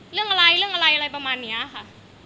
เรื่องอะไรเรื่องอะไรอะไรประมาณนี้ค่ะ